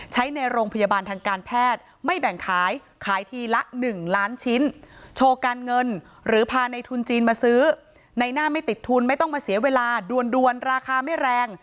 ใช้ในโรงพยาบาลทางการแพทย์ไม่แบ่งขายขายทีละ๑ล้านชิ้นโชว์การเงินหรือพาในทุนจีนมาซื้อในหน้าไม่ติดทุนไม่ต้องมาเสียเวลาดวนราคาไม่แรง